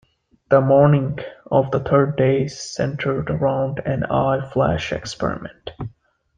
The "morning" of the third day centered around an "eye flash" experiment.